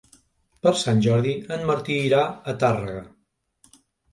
Per Sant Jordi en Martí irà a Tàrrega.